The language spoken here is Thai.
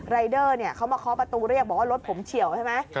รายเดอร์เขามาเคาะประตูเรียกบอกว่ารถผมเฉียวใช่ไหม